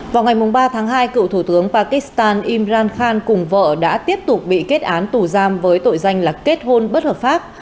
vào ngày ba tháng hai cựu thủ tướng pakistan imran khan cùng vợ đã tiếp tục bị kết án tù giam với tội danh là kết hôn bất hợp pháp